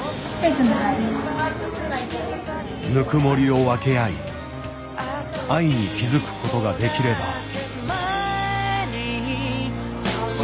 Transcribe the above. ぬくもりを分け合い愛に気付くことができれば。